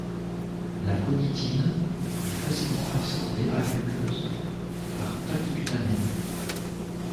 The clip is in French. L'aconitine est facilement absorbée par les muqueuses et par contact cutané.